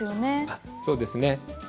あっそうですね。